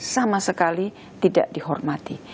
sama sekali tidak dihormati